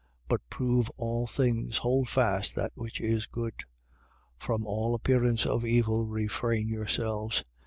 But prove all things: hold fast that which is good. 5:22. From all appearance of evil refrain yourselves.